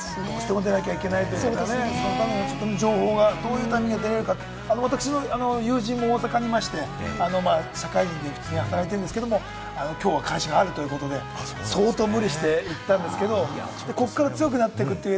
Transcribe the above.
外に出なきゃいけない方とかね、情報がどういうタイミングで出るかって、私の友人も大阪にいまして、社会人で普通に働いているんですけれども、きょうは会社があるということで、相当無理して行ったんですけれども、ここから強くなっていくというね。